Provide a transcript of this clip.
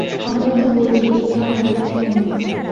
আমরা তো বলি এই আমাদের সম্মান।